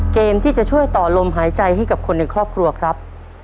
เกมที่จะช่วยต่อลมหายใจให้กับคนในครอบครัวครับ